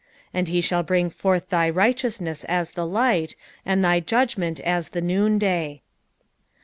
6 And he shall bring forth thy righteousness as the light, and thy judgment as the noonday.